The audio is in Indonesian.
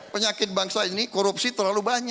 penyakit bangsa ini korupsi terlalu banyak